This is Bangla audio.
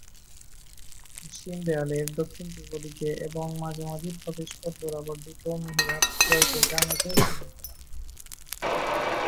পশ্চিম দেয়ালের দক্ষিণ-পূর্ব দিকে এবং মাঝামাঝি প্রবেশপথ বরাবর দুটো মিহরাব রয়েছে যা মেঝের সমান্তরাল।